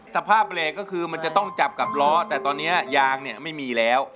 ภาพแรกก็คือมันจะต้องจับกับล้อแต่ตอนนี้ยางเนี่ยไม่มีแล้ว